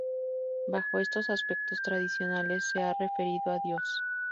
Bajo estos aspectos tradicionalmente se ha referido a Dios.